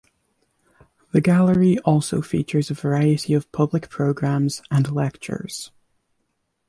The gallery also features a variety of public programmes and lectures.